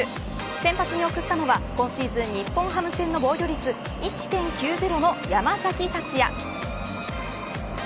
先発に送ったのは今シーズン日本ハム戦の防御率１．９０の山崎福也。